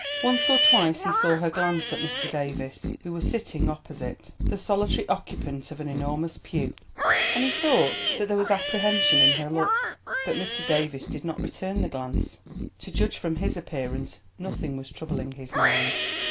Once or twice he saw her glance at Mr. Davies, who was sitting opposite, the solitary occupant of an enormous pew, and he thought that there was apprehension in her look. But Mr. Davies did not return the glance. To judge from his appearance nothing was troubling his mind.